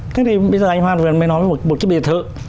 thế thì bây giờ anh hoan mới nói một cái biệt thự